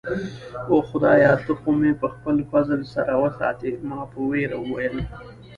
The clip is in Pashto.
اوه، خدایه، ته خو مې په خپل فضل سره وساتې. ما په ویره وویل.